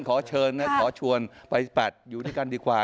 ขอเชิญนะขอชวนมึงไปแปดอยู่ดีกันดีกว่า